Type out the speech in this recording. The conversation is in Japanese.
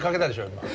今。